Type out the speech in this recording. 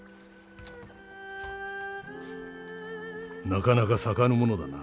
なかなか咲かぬものだな。